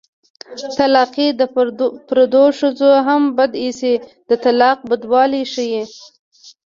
طلاقي د پردو ښځو هم بد ايسي د طلاق بدوالی ښيي